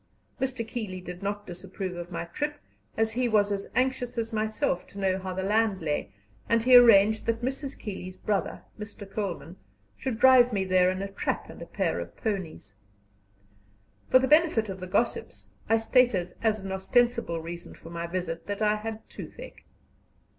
Mr. Keeley did not disapprove of my trip, as he was as anxious as myself to know how the land lay, and he arranged that Mrs. Keeley's brother, Mr. Coleman, should drive me there in a trap and pair of ponies. For the benefit of the gossips, I stated as an ostensible reason for my visit that I had toothache.